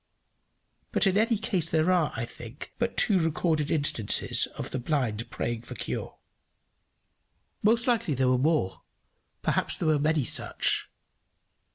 But in any case there are, I think, but two recorded instances of the blind praying for cure. Most likely there were more, perhaps there were many such.